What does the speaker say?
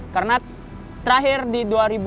karena terakhir di dua ribu dua puluh